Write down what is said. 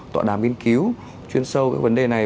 tọa đàm nghiên cứu chuyên sâu cái vấn đề này